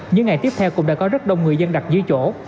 những ngày tiếp theo cũng đã có rất đông người dân đặt dưới chỗ